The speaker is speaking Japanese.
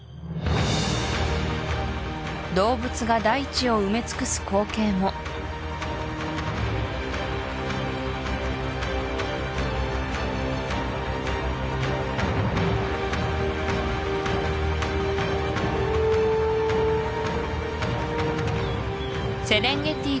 動物が大地を埋め尽くす光景もセレンゲティ